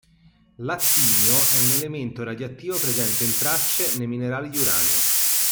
L'attinio è un elemento radioattivo presente in tracce nei minerali di uranio.